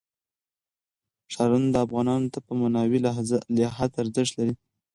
ښارونه افغانانو ته په معنوي لحاظ ارزښت لري.